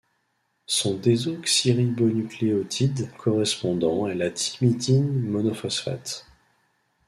Son désoxyribonucléotide correspondant est la thymidine monophosphate.